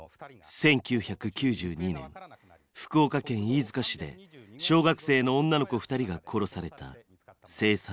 １９９２年福岡県飯塚市で小学生の女の子２人が殺された凄惨な事件。